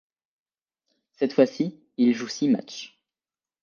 Cette fois-ci, il joue six matchs.